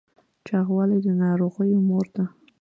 چاغوالی د ناروغیو مور ده